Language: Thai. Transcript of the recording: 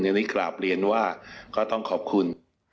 อันนี้กราบเรียนว่าก็ต้องขอบคุณ